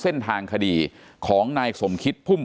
เป็นวันที่๑๕ธนวาคมแต่คุณผู้ชมค่ะกลายเป็นวันที่๑๕ธนวาคม